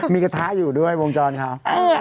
มีกระทะอยู่ด้วยวงจรเขา